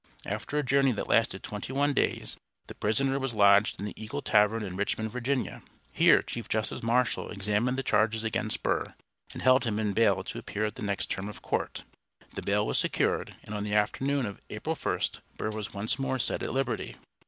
After a journey that lasted twenty one days the prisoner was lodged in the Eagle Tavern in Richmond, Virginia. Here Chief Justice Marshall examined the charges against Burr, and held him in bail to appear at the next term of court. The bail was secured, and on the afternoon of April 1st Burr was once more set at liberty.